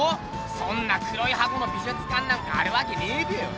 そんな黒い箱の美術館なんかあるわけねえべよ。